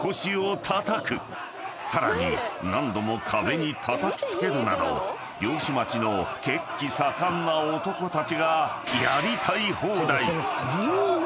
［さらに何度も壁にたたきつけるなど漁師町の血気盛んな男たちが］